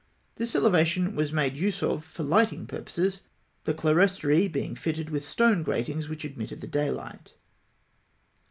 This elevation was made use of for lighting purposes, the clerestory being fitted with stone gratings, which admitted the daylight.